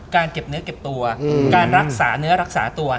เก็บเนื้อเก็บตัวการรักษาเนื้อรักษาตัว